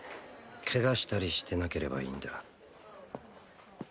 ケガしたりしてなければいいんだ